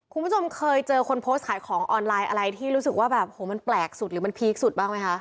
คุณผู้ชมเคยเจอคนโพสต์ขายของออนไลน์อะไรที่รู้สึกว่าแบบโหมันแปลกสุดหรือมันพีคสุดบ้างไหมคะ